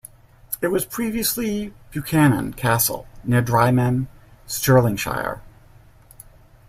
It was previously Buchanan Castle, near Drymen, Stirlingshire.